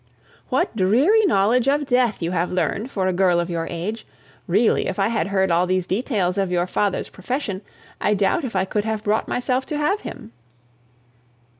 "What dreary knowledge of death you have learned for a girl of your age! Really, if I had heard all these details of your father's profession, I doubt if I could have brought myself to have him!"